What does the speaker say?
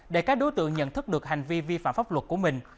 để các đối tượng nhận thức được hành vi vi phạm pháp luật của mình